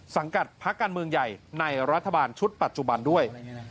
กัดพักการเมืองใหญ่ในรัฐบาลชุดปัจจุบันด้วย